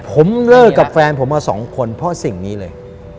ผมเลิกกับแฟนผมมาสองคนเพราะสิ่งนี้เลย